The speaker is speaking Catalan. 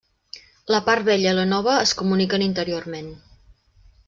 La part vella i la nova es comuniquen interiorment.